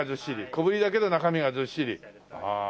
小ぶりだけど中身がずっしり。